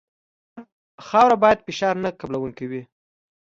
خاوره باید فشار نه قبلوونکې وي